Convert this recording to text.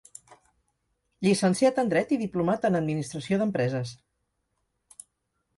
Llicenciat en Dret i Diplomat en Administració d'Empreses.